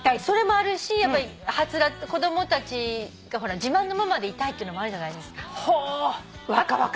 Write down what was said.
それもあるし子供たちがほら自慢のママでいたいってのもあるじゃないですか。